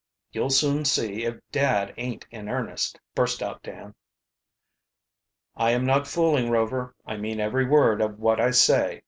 "You'll soon see if dad aint in earnest," burst out Dan. "I am not fooling, Rover, I mean every word of what I say.